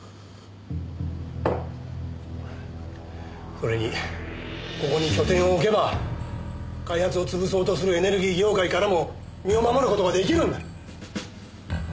それにここに拠点を置けば開発を潰そうとするエネルギー業界からも身を守る事ができるんだ。